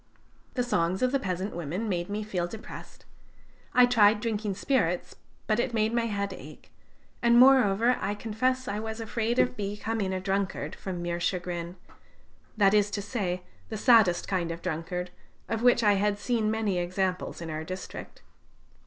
The songs of the peasant women made me feel depressed. I tried drinking spirits, but it made my head ache; and moreover, I confess I was afraid of becoming a drunkard from mere chagrin, that is to say, the saddest kind of drunkard, of which I had seen many examples in our district.